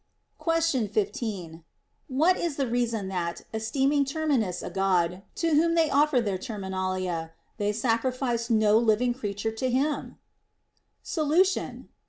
Question 15. What is the reason that, esteeming Ter minus a God (to whom they offer their Terminalia), they sacrifice no living creature to him \ Solution.